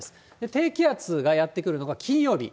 低気圧がやって来るのが金曜日。